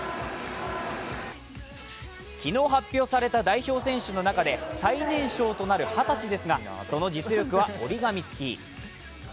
昨日、発表された代表選手の中で最年少となる二十歳ですがその実力は折り紙付き。